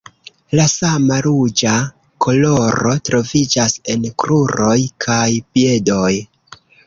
La sama ruĝa koloro troviĝas en kruroj kaj piedoj.